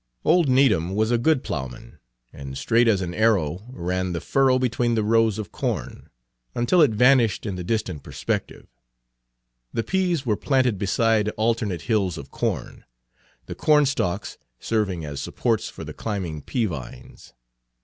Old Needham was a good ploughman, and straight as an arrow ran the furrow between the rows of corn, until it vanished in the distant perspective. The peas were planted beside alternate hills of corn, the corn stalks serving as supports for the climbing pea vines.